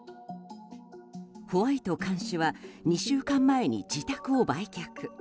ホワイト看守は２週間前に自宅を売却。